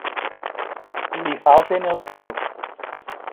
Li falten els peus.